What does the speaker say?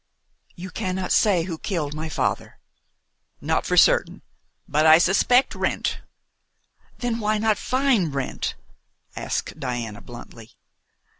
"You cannot say who killed my father?" "Not for certain, but I suspect Wrent." "Then why not find Wrent?" asked Diana bluntly.